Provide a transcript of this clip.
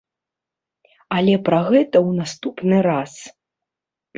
Але пра гэта ў наступны раз.